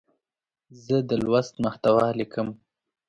زه د لوست محتوا لیکم.